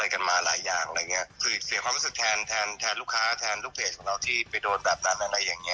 คราวนี้ทุกคนก็ก็ช่วย